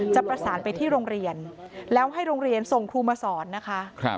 จะประสานไปที่โรงเรียนแล้วให้โรงเรียนส่งครูมาสอนนะคะ